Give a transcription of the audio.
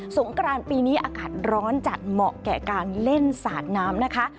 งกรานปีนี้อากาศร้อนจัดเหมาะแก่การเล่นสาดน้ำนะคะ